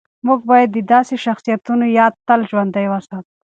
موږ باید د داسې شخصیتونو یاد تل ژوندی وساتو.